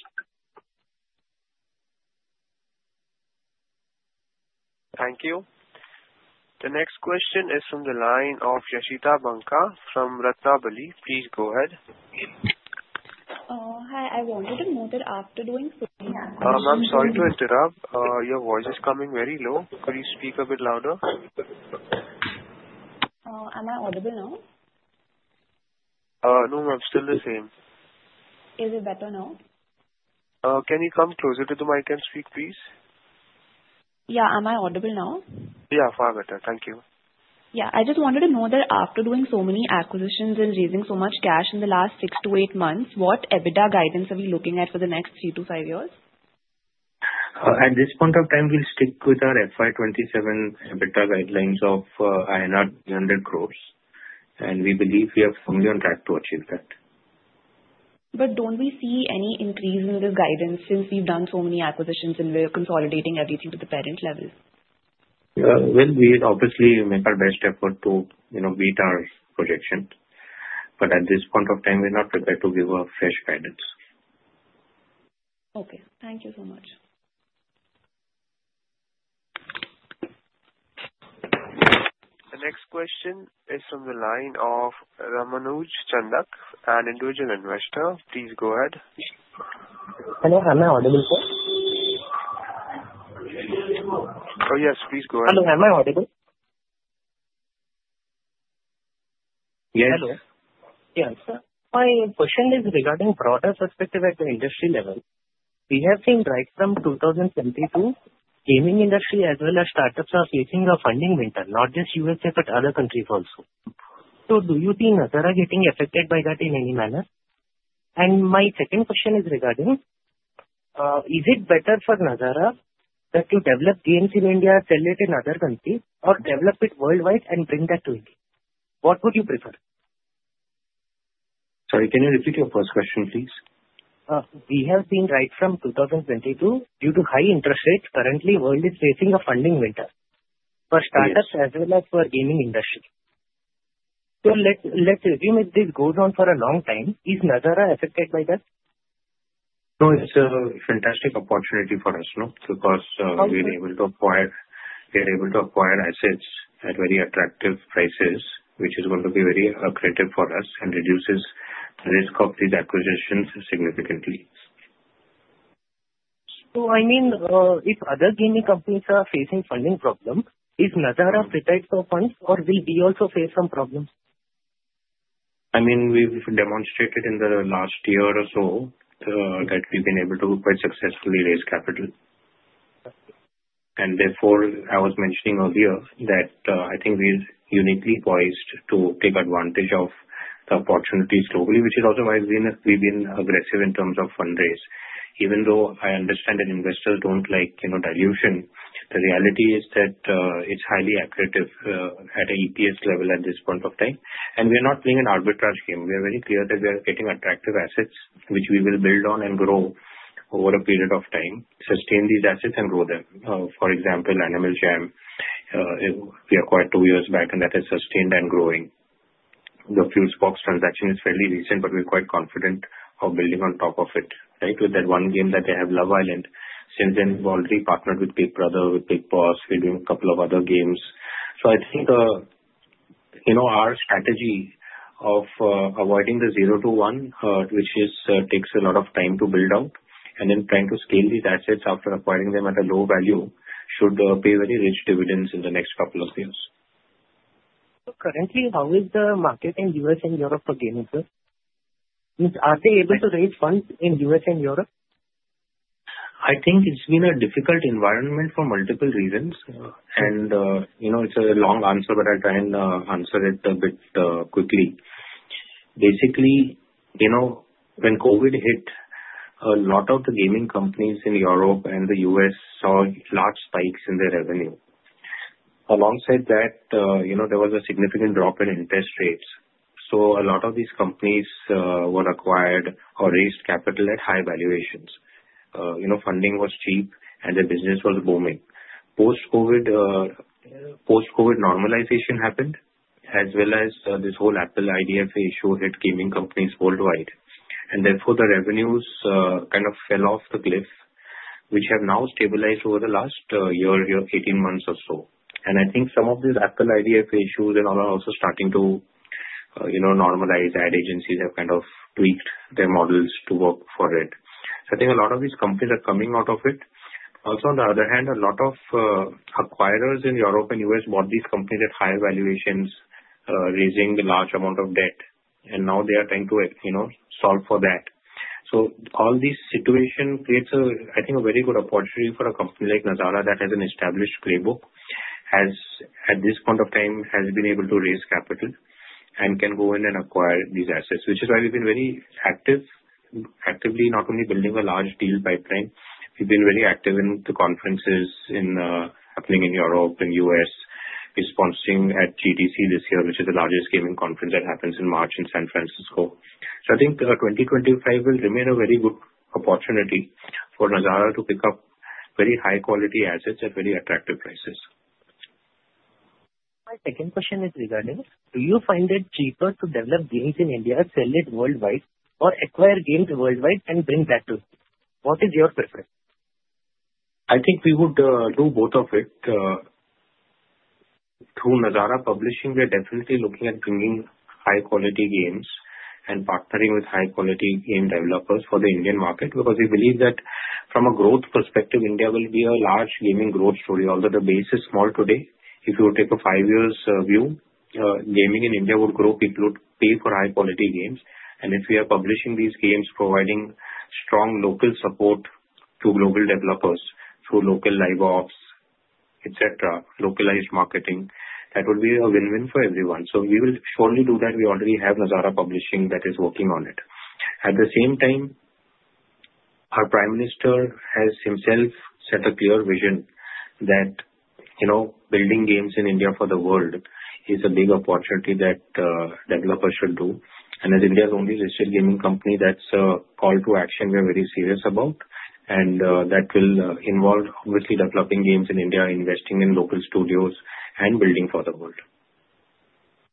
Thank you. The next question is from the line of Yashita Banka from Ratnabali. Please go ahead. Hi. I wanted to know that after doing so many acquisitions? I'm sorry to interrupt. Your voice is coming very low. Could you speak a bit louder? Am I audible now? No, ma'am. Still the same. Is it better now? Can you come closer to the mic and speak, please? Yeah. Am I audible now? Yeah. Far better. Thank you. Yeah. I just wanted to know that after doing so many acquisitions and raising so much cash in the last six to eight months, what EBITDA guidance are we looking at for the next three to five years? At this point of time, we'll stick with our FY27 EBITDA guidelines of INR 300 crores. And we believe we are firmly on track to achieve that. But don't we see any increase in the guidance since we've done so many acquisitions and we're consolidating everything to the parent level? Well, we obviously make our best effort to meet our projection. But at this point of time, we're not prepared to give our fresh guidance. Okay. Thank you so much. The next question is from the line of Ramanuj Chandak, an individual investor. Please go ahead. Hello. Am I audible? Oh, yes. Please go ahead. Hello. Am I audible? Yes. Yes. My question is regarding broader perspective at the industry level. We have seen right from 2022, gaming industry as well as startups are facing a funding winter, not just USA but other countries also. So do you think Nazara is getting affected by that in any manner? And my second question is regarding, is it better for Nazara that you develop games in India, sell it in other countries, or develop it worldwide and bring that to India? What would you prefer? Sorry. Can you repeat your first question, please? We have seen right from 2022, due to high interest rates, currently the world is facing a funding winter for startups as well as for gaming industry. So let's assume if this goes on for a long time, is Nazara affected by that? No, it's a fantastic opportunity for us, no? Because we're able to acquire assets at very attractive prices, which is going to be very accretive for us and reduces the risk of these acquisitions significantly. So I mean, if other gaming companies are facing funding problems, is Nazara prepared for funds or will we also face some problems? I mean, we've demonstrated in the last year or so that we've been able to quite successfully raise capital, and therefore I was mentioning earlier that I think we're uniquely poised to take advantage of the opportunities globally, which is otherwise we've been aggressive in terms of fundraise. Even though I understand that investors don't like dilution, the reality is that it's highly accretive at an EPS level at this point of time, and we're not playing an arbitrage game. We are very clear that we are getting attractive assets, which we will build on and grow over a period of time, sustain these assets, and grow them. For example, Animal Jam, we acquired two years back, and that has sustained and growing. The Fusebox transaction is fairly recent, but we're quite confident of building on top of it, right? With that one game that they have, Love Island, since then we've already partnered with Big Brother, with Big Boss, we're doing a couple of other games. So I think our strategy of avoiding the zero to one, which takes a lot of time to build out, and then trying to scale these assets after acquiring them at a low value, should pay very rich dividends in the next couple of years. Currently, how is the market in the U.S. and Europe for gaming firms? Are they able to raise funds in the U.S. and Europe? I think it's been a difficult environment for multiple reasons, and it's a long answer, but I'll try and answer it a bit quickly. Basically, when COVID hit, a lot of the gaming companies in Europe and the U.S. saw large spikes in their revenue. Alongside that, there was a significant drop in interest rates, so a lot of these companies were acquired or raised capital at high valuations. Funding was cheap, and the business was booming. Post-COVID normalization happened, as well as this whole Apple IDFA issue hit gaming companies worldwide, and therefore, the revenues kind of fell off the cliff, which have now stabilized over the last year, 18 months or so, and I think some of these Apple IDFA issues and all are also starting to normalize. Ad agencies have kind of tweaked their models to work for it. So I think a lot of these companies are coming out of it. Also, on the other hand, a lot of acquirers in Europe and U.S. bought these companies at higher valuations, raising a large amount of debt. And now they are trying to solve for that. So all this situation creates, I think, a very good opportunity for a company like Nazara that has an established playbook, at this point of time, has been able to raise capital and can go in and acquire these assets, which is why we've been very active, actively not only building a large deal pipeline. We've been very active in the conferences happening in Europe and U.S. We're sponsoring at GDC this year, which is the largest gaming conference that happens in March in San Francisco. I think 2025 will remain a very good opportunity for Nazara to pick up very high-quality assets at very attractive prices. My second question is regarding: Do you find it cheaper to develop games in India, sell it worldwide, or acquire games worldwide and bring back to India? What is your preference? I think we would do both of it. Through Nazara Publishing, we are definitely looking at bringing high-quality games and partnering with high-quality game developers for the Indian market because we believe that from a growth perspective, India will be a large gaming growth story. Although the base is small today, if you take a five-year view, gaming in India would grow, people would pay for high-quality games, and if we are publishing these games, providing strong local support to global developers through local Live Ops, etc., localized marketing, that would be a win-win for everyone, so we will surely do that. We already have Nazara Publishing that is working on it. At the same time, our Prime Minister has himself set a clear vision that building games in India for the world is a big opportunity that developers should do. As India's only registered gaming company, that's a call to action we are very serious about. That will involve, obviously, developing games in India, investing in local studios, and building for the world.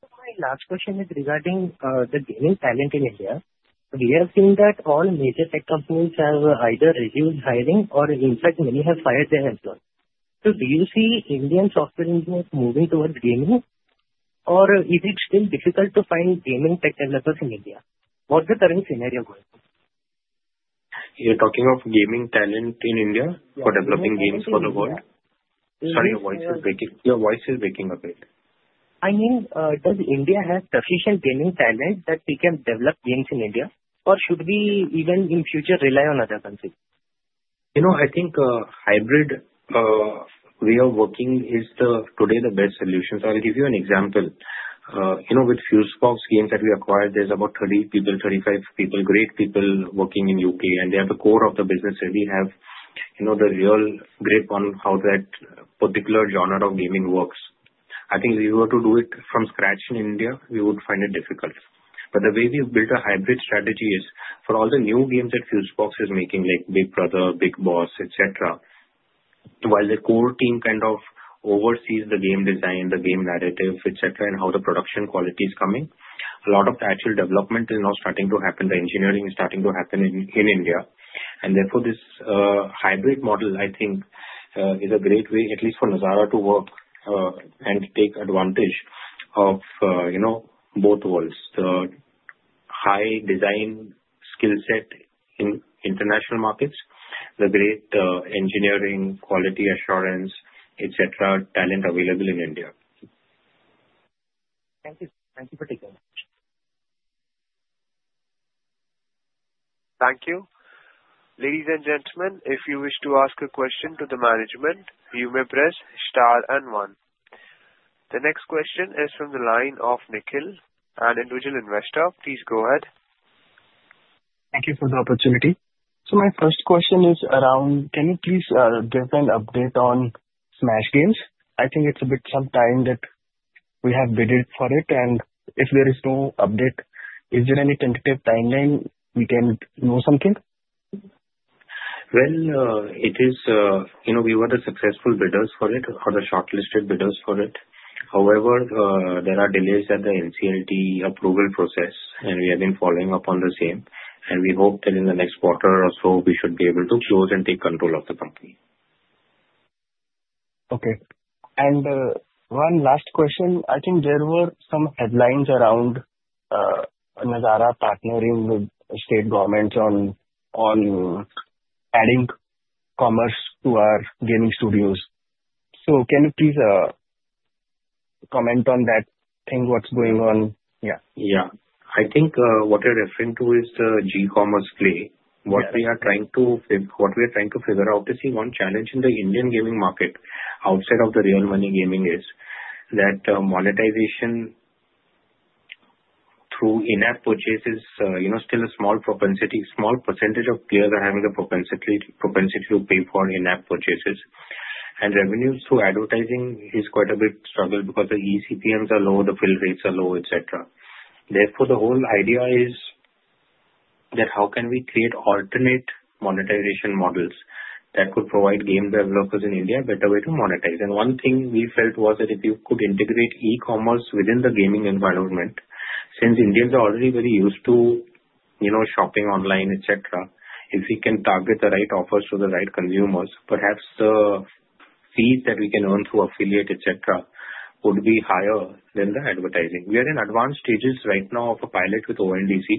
My last question is regarding the gaming talent in India. We have seen that all major tech companies have either reduced hiring or, in fact, many have fired their employees. So do you see Indian software engineers moving towards gaming, or is it still difficult to find gaming tech developers in India? What's the current scenario going for? You're talking of gaming talent in India for developing games for the world? Sorry, your voice is breaking. Your voice is breaking a bit. I mean, does India have sufficient gaming talent that we can develop games in India, or should we even in future rely on other countries? I think hybrid way of working is today the best solution. So I'll give you an example. With Fusebox Games that we acquired, there's about 30 people, 35 people, great people working in the UK, and they are the core of the business. We have the real grip on how that particular genre of gaming works. I think if we were to do it from scratch in India, we would find it difficult, but the way we've built a hybrid strategy is for all the new games that Fusebox Games is making, like Big Brother, Big Boss, etc., while the core team kind of oversees the game design, the game narrative, etc., and how the production quality is coming, a lot of the actual development is now starting to happen. The engineering is starting to happen in India. And therefore, this hybrid model, I think, is a great way, at least for Nazara, to work and take advantage of both worlds: the high design skill set in international markets, the great engineering quality assurance, etc., talent available in India. Thank you. Thank you for taking the time. Thank you. Ladies and gentlemen, if you wish to ask a question to the management, you may press star and one. The next question is from the line of Nikhil, an individual investor. Please go ahead. Thank you for the opportunity. So my first question is around, can you please give an update on Smaaash? I think it's a bit some time that we have bid for it. And if there is no update, is there any tentative timeline we can know something? We were the successful bidders for it, the shortlisted bidders for it. However, there are delays at the NCLT approval process, and we have been following up on the same. We hope that in the next quarter or so, we should be able to close and take control of the company. Okay. And one last question. I think there were some headlines around Nazara partnering with state governments on adding commerce to our gaming studios. So can you please comment on that thing, what's going on? Yeah. Yeah. I think what you're referring to is the G-commerce play. What we are trying to figure out is one challenge in the Indian gaming market outside of the real money gaming is that monetization through in-app purchases is still a small percentage of players are having the propensity to pay for in-app purchases. And revenues through advertising is quite a big struggle because the eCPMs are low, the fill rates are low, etc. Therefore, the whole idea is that how can we create alternate monetization models that could provide game developers in India a better way to monetize. And one thing we felt was that if you could integrate e-commerce within the gaming environment, since Indians are already very used to shopping online, etc., if we can target the right offers to the right consumers, perhaps the fees that we can earn through affiliate, etc., would be higher than the advertising. We are in advanced stages right now of a pilot with ONDC.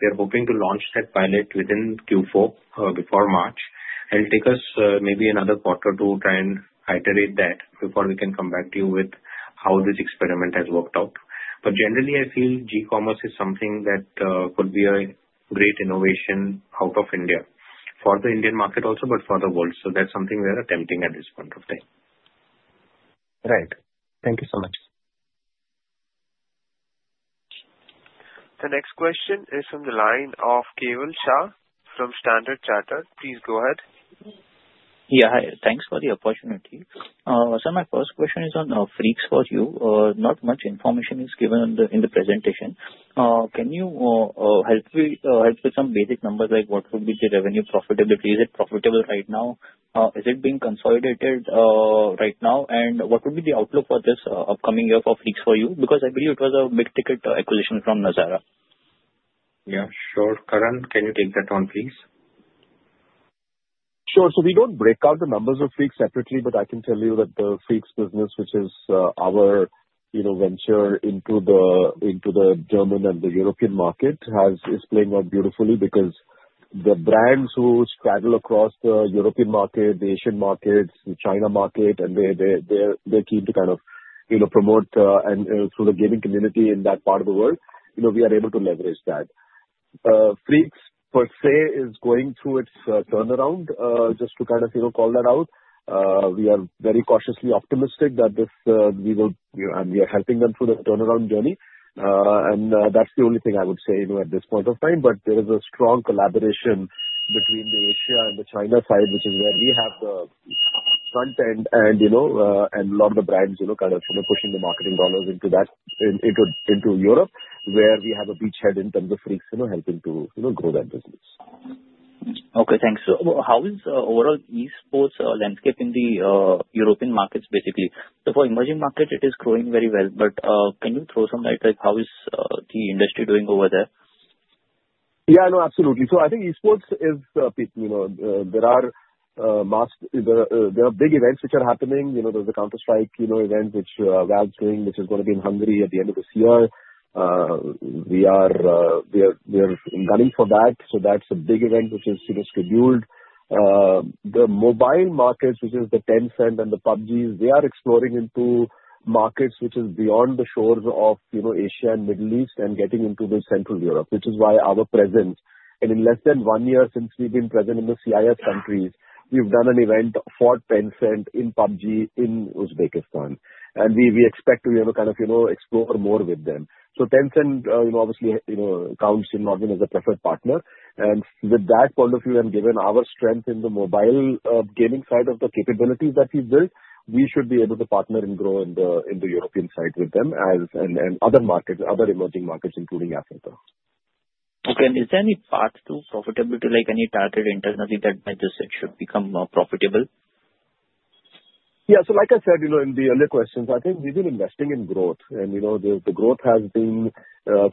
We are hoping to launch that pilot within Q4 before March and take us maybe another quarter to try and iterate that before we can come back to you with how this experiment has worked out. But generally, I feel G-commerce is something that could be a great innovation out of India for the Indian market also, but for the world. So that's something we are attempting at this point of time. Right. Thank you so much. The next question is from the line of Keval Shah from Standard Chartered. Please go ahead. Yeah. Hi. Thanks for the opportunity. So my first question is on Freaks 4U. Not much information is given in the presentation. Can you help with some basic numbers like what would be the revenue profitability? Is it profitable right now? Is it being consolidated right now? And what would be the outlook for this upcoming year for Freaks 4U? Because I believe it was a big ticket acquisition from Nazara. Yeah. Sure. Karan, can you take that one, please? Sure. So we don't break out the numbers of Freaks separately, but I can tell you that the Freaks business, which is our venture into the German and the European market, is playing out beautifully because the brands who straddle across the European market, the Asian markets, the China market, and they're keen to kind of promote through the gaming community in that part of the world, we are able to leverage that. Freaks per se is going through its turnaround, just to kind of call that out. We are very cautiously optimistic that we will, and we are helping them through the turnaround journey, and that's the only thing I would say at this point of time. But there is a strong collaboration between Asia and the China side, which is where we have the front end and a lot of the brands kind of pushing the marketing dollars into Europe, where we have a beachhead in terms of Freaks 4U helping to grow that business. Okay. Thanks. So how is overall Esports landscape in the European markets, basically? So for emerging markets, it is growing very well. But can you throw some light on how is the industry doing over there? Yeah. No, absolutely. So I think e-sports, there are big events which are happening. There's a Counter-Strike event which Valve's doing, which is going to be in Hungary at the end of this year. We are gunning for that, so that's a big event which is scheduled. The mobile markets, which is the Tencent and the PUBG, they are exploring into markets which are beyond the shores of Asia and the Middle East and getting into Central Europe, which is why our presence. And in less than one year since we've been present in the CIS countries, we've done an event for Tencent in PUBG in Uzbekistan. And we expect to kind of explore more with them. So Tencent, obviously, counts NODWIN Gaming as a preferred partner. With that point of view, and given our strength in the mobile gaming side of the capabilities that we've built, we should be able to partner and grow in the European side with them and other emerging markets, including Africa. Okay. And is there any path to profitability, like any target internally that means it should become profitable? Yeah. So like I said in the earlier questions, I think we've been investing in growth. And the growth has been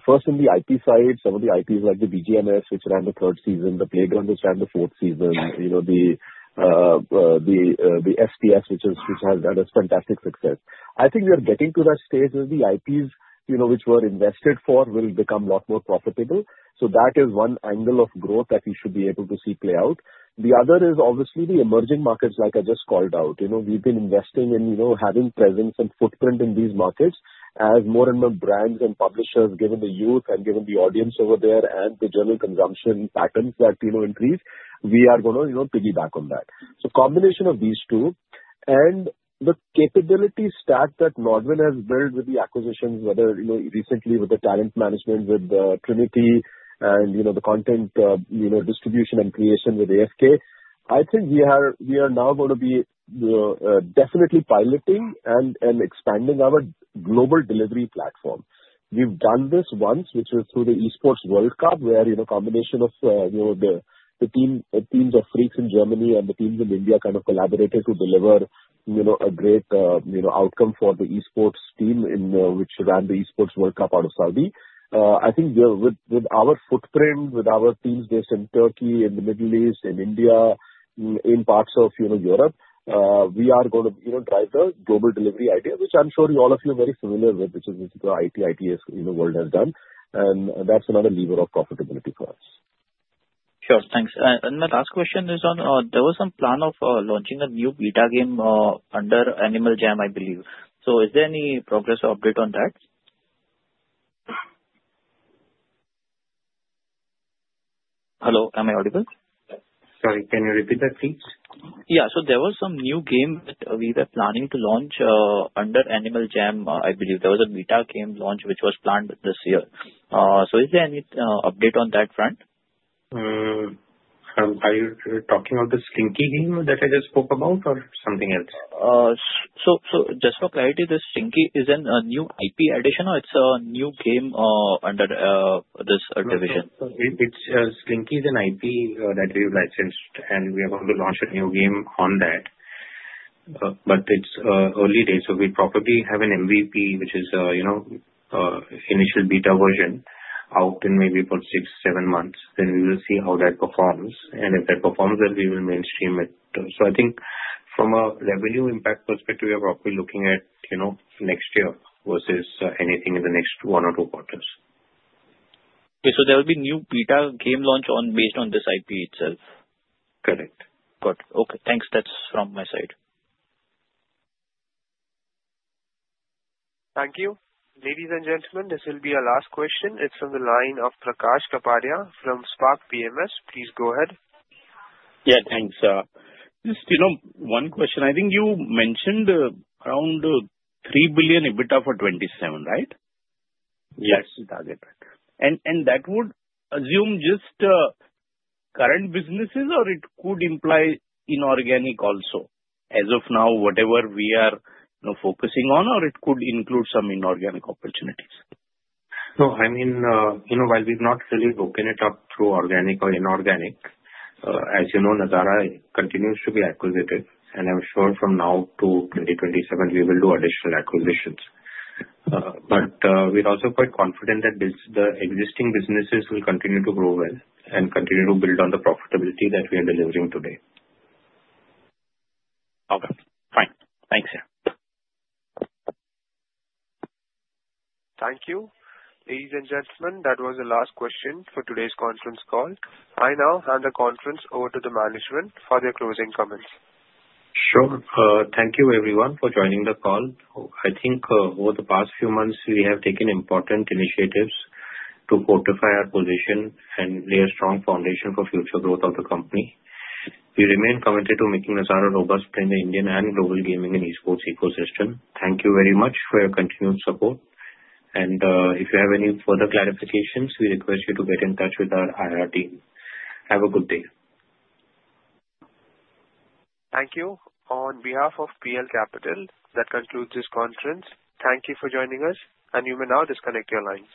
first in the IP side. Some of the IPs like the BGMS, which ran the third season, the Playground, which ran the fourth season, the SPS, which has had a fantastic success. I think we are getting to that stage where the IPs which were invested for will become a lot more profitable. So that is one angle of growth that we should be able to see play out. The other is obviously the emerging markets, like I just called out. We've been investing in having presence and footprint in these markets as more and more brands and publishers, given the youth and given the audience over there and the general consumption patterns that increase, we are going to piggyback on that. Combination of these two and the capability stack that NODWIN has built with the acquisitions, whether recently with the talent management, with Trinity, and the content distribution and creation with AFK, I think we are now going to be definitely piloting and expanding our global delivery platform. We've done this once, which was through the Esports World Cup, where a combination of the teams of Freaks in Germany and the teams in India kind of collaborated to deliver a great outcome for the Esports team which ran the Esports World Cup out of Saudi. I think with our footprint, with our teams based in Turkey, in the Middle East, in India, in parts of Europe, we are going to drive the global delivery idea, which I'm sure all of you are very familiar with, which is what the IT world has done. That's another lever of profitability for us. Sure. Thanks. And my last question is on there was some plan of launching a new beta game under Animal Jam, I believe. So is there any progress or update on that? Hello? Am I audible? Sorry. Can you repeat that, please? Yeah. So there was some new game that we were planning to launch under Animal Jam, I believe. There was a beta game launch which was planned this year. So is there any update on that front? Are you talking about the Slinky game that I just spoke about or something else? So just for clarity, the Slinky is a new IP addition or it's a new game under this division? So Slinky is an IP that we've licensed, and we are going to launch a new game on that. But it's early days. So we probably have an MVP, which is an initial beta version, out in maybe about six, seven months. Then we will see how that performs. And if that performs well, we will mainstream it. So I think from a revenue impact perspective, we are probably looking at next year versus anything in the next one or two quarters. Okay. So there will be new beta game launch based on this IP itself? Correct. Good. Okay. Thanks. That's from my side. Thank you. Ladies and gentlemen, this will be our last question. It's from the line of Prakash Kapadia from Spark PMS. Please go ahead. Yeah. Thanks. Just one question. I think you mentioned around 3 billion EBITDA for 2027, right? Yes. That's the target. And that would assume just current businesses, or it could imply inorganic also? As of now, whatever we are focusing on, or it could include some inorganic opportunities? No. I mean, while we've not really broken it up through organic or inorganic, as you know, Nazara continues to be acquisitive, and I'm sure from now to 2027, we will do additional acquisitions, but we're also quite confident that the existing businesses will continue to grow well and continue to build on the profitability that we are delivering today. Okay. Fine. Thanks, sir. Thank you. Ladies and gentlemen, that was the last question for today's conference call. I now hand the conference over to the management for their closing comments. Sure. Thank you, everyone, for joining the call. I think over the past few months, we have taken important initiatives to fortify our position and lay a strong foundation for future growth of the company. We remain committed to making Nazara a robust player in the Indian and global gaming and Esports ecosystem. Thank you very much for your continued support. And if you have any further clarifications, we request you to get in touch with our IR team. Have a good day. Thank you. On behalf of PL Capital, that concludes this conference. Thank you for joining us, and you may now disconnect your lines.